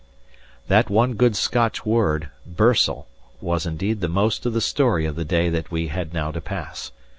That one good Scotch word, "birstle," was indeed the most of the story of the day that we had now to pass.